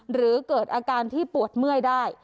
หรือเกิดอาการที่ปวดเมื่อยได้